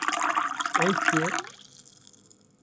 Ew kî ye?